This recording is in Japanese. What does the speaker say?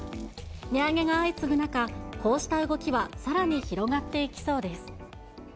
値上げが相次ぐ中、こうした動きはさらに広がっていきそうです。